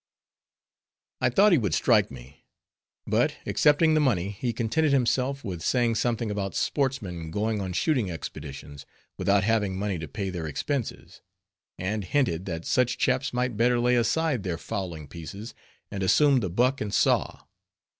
I thought he would strike me. But, accepting the money, he contented himself with saying something about sportsmen going on shooting expeditions, without having money to pay their expenses; and hinted that such chaps might better lay aside their fowling pieces, and assume the buck and saw.